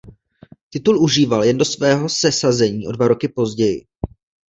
Titul užíval jen do svého sesazení o dva roky později.